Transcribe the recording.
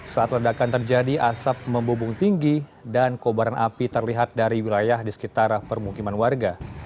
saat ledakan terjadi asap membubung tinggi dan kobaran api terlihat dari wilayah di sekitar permukiman warga